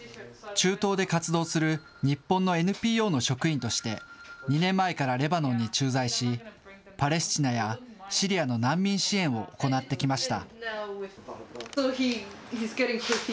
中東で活動する日本のＮＰＯの職員として、２年前からレバノンに駐在し、パレスチナやシリアの難民支援を行ってきました。